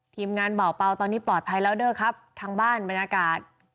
ทีมงานเบาตอนนี้ปลอดภัยแล้วเด้อครับทางบ้านบรรยากาศ